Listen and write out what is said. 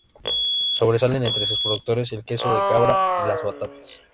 Sobresalen entre sus productos el queso de cabra y las batatas.